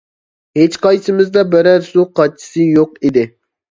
ھېچقايسىمىزدا بىرەر سۇ قاچىسى يوق ئىدى.